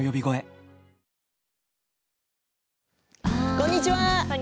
こんにちは。